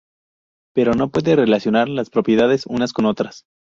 Pero no puede relacionar las propiedades unas con otras.